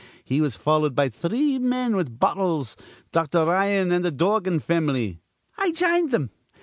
He was followed by thee men with bottles, Dr. Ryan, an' th' Dorgan fam'ly. I jined thim.